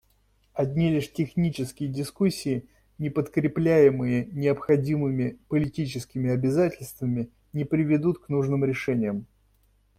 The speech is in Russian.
Одни лишь технические дискуссии, не подкрепляемые необходимыми политическими обязательствами, не приведут к нужным решениям.